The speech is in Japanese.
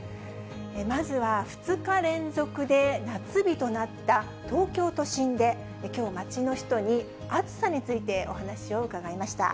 まずは２日連続で夏日となった東京都心で、きょう、街の人に暑さについてお話を伺いました。